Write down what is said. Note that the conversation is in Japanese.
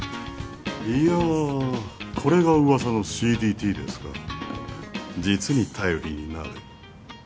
いやこれがうわさのＣＤＴですか実に頼りになる。